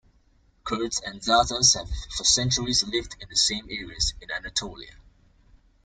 Kurds and Zazas have for centuries lived in the same areas in Anatolia.